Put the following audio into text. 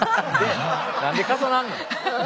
何で重なんねん。